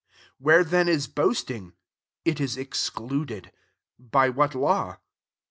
27 \Vhere then is boasting ? It is excluded. By what law ?